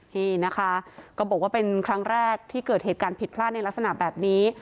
นี่นะคะก็บอกว่าเป็นครั้งแรกที่เกิดเหตุการณ์ผิดพลาดในลักษณะแบบนี้